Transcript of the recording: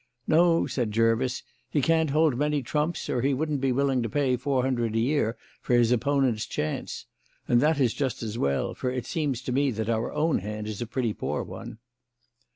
"No," said Jervis, "he can't hold many trumps or he wouldn't be willing to pay four hundred a year for his opponent's chance; and that is just as well, for it seems to me that our own hand is a pretty poor one."